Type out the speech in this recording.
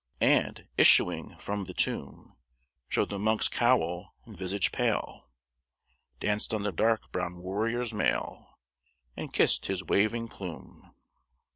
And, issuing from the tomb, Showed the monk's cowl and visage pale, Danced on the dark brown warrior's mail, And kissed his waving plume.